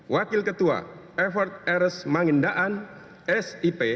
wakil ketua effort eres mangindaan s i p